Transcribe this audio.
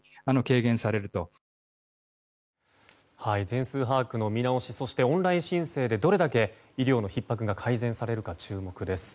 全数把握の見直しそしてオンライン申請でどれだけ医療のひっ迫が改善されるか注目です。